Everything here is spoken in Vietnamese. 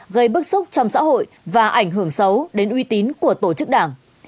gây bức xúc trong xã hội và ảnh hưởng xấu đến uy tín của tổ chức đảng